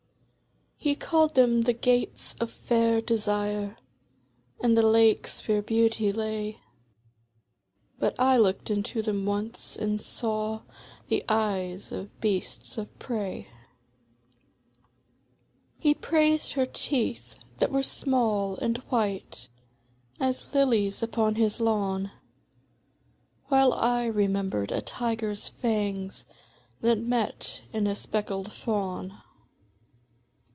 He called them the Gates of Fair Desire, And the Lakes where Beauty lay, But I looked into them once, and saw The eyes of Beasts of Prey. He praised her teeth, that were small and white As lilies upon his lawn, While I remembered a tiger's fangs That met in a speckled fawn.